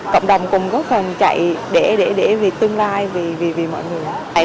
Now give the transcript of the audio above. cộng đồng cũng có phần chạy để tương lai vì mọi người